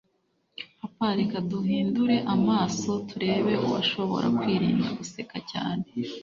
Papa reka duhindure amaso turebe uwashobora kwirinda guseka cyane